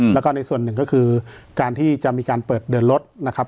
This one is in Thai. แล้วก็ในส่วนหนึ่งก็คือการที่จะมีการเปิดเดินรถนะครับ